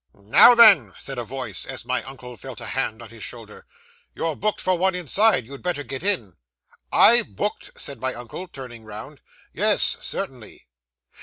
'"Now then!" said a voice, as my uncle felt a hand on his shoulder, "you're booked for one inside. You'd better get in." '"I booked!" said my uncle, turning round. '"Yes, certainly."